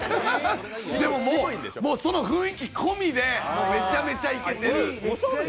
でも、その雰囲気込みでめちゃめちゃイケてる。